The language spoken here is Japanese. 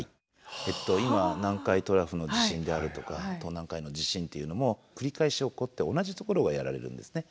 えっと今南海トラフの地震であるとか東南海の地震というのも繰り返し起こって同じところがやられるんですね。